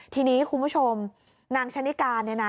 ทีนี้คุณผู้ชมนางชะนิการเนี่ยนะ